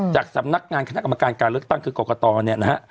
จากสำนักงานคณะกรรมการการเลือกตั้งคือกรกตเนี่ยนะฮะ